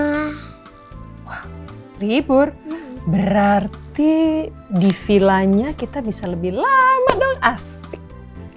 wah libur berarti di villanya kita bisa lebih lama dong asik